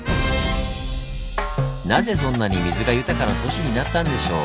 なぜそんなに水が豊かな都市になったんでしょう？